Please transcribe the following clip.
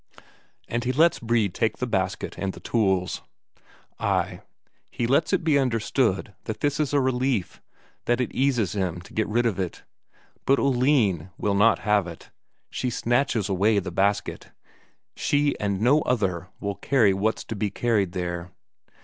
And he lets Brede take the basket and the tools; ay, he lets it be understood that this is a relief, that it eases him to get rid of it. But Oline will not have it, she snatches away the basket, she and no other will carry what's to be carried there.